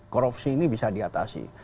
korupsi ini bisa diatasi